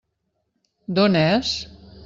D'on és?